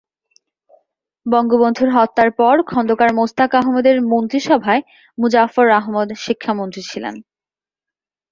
বঙ্গবন্ধুর হত্যার পর খন্দকার মোশতাক আহমদের মন্ত্রিসভায় মুজাফফর আহমদ শিক্ষামন্ত্রী ছিলেন।